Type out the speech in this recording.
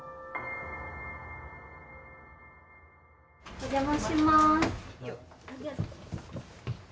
お邪魔します。